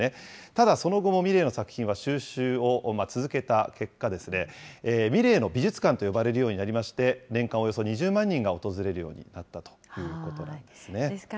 ただ、その後もミレーの作品は収集を続けた結果、ミレーの美術館と呼ばれるようになりまして、年間およそ２０万人が訪れるようになったということなんですね。